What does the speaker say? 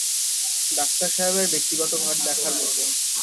Doctor সাহেবের ব্যক্তিগত ঘর দেখার মতো।